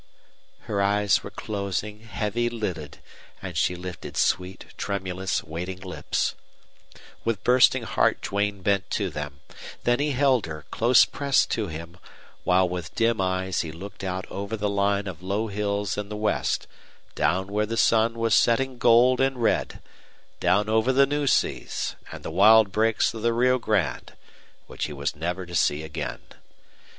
Her eyes were closing, heavy lidded, and she lifted sweet, tremulous, waiting lips. With bursting heart Duane bent to them. Then he held her, close pressed to him, while with dim eyes he looked out over the line of low hills in the west, down where the sun was setting gold and red, down over the Nueces and the wild brakes of the Rio Grande which he was never to see again.